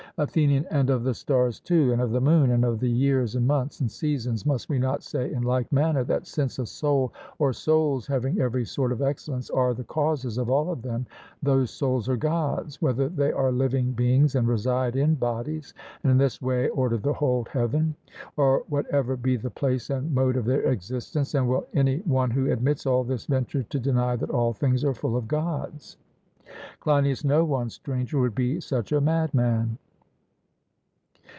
ATHENIAN: And of the stars too, and of the moon, and of the years and months and seasons, must we not say in like manner, that since a soul or souls having every sort of excellence are the causes of all of them, those souls are Gods, whether they are living beings and reside in bodies, and in this way order the whole heaven, or whatever be the place and mode of their existence and will any one who admits all this venture to deny that all things are full of Gods? CLEINIAS: No one, Stranger, would be such a madman.